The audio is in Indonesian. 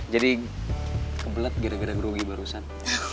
jadi kebelet gara gara gerugi barusan